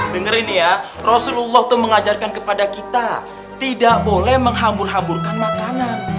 dengerin ya rasulullah itu mengajarkan kepada kita tidak boleh menghambur hamburkan makanan